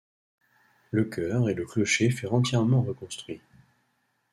Le chœur et le clocher furent entièrement reconstruits.